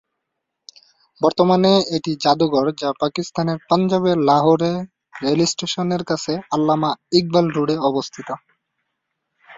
বর্তমানে এটি জাদুঘর যা পাকিস্তানের পাঞ্জাবের লাহোর রেলস্টেশনের কাছে আল্লামা ইকবাল রোডে অবস্থিত।